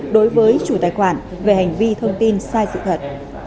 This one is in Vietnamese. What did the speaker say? đối với chủ tài khoản về hành vi thông tin sai sự thật